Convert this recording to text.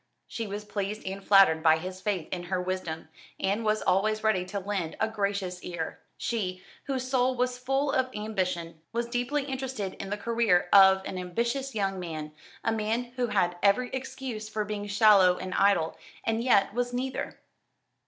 She was pleased and flattered by his faith in her wisdom, and was always ready to lend a gracious ear. She, whose soul was full of ambition, was deeply interested in the career of an ambitious young man a man who had every excuse for being shallow and idle, and yet was neither.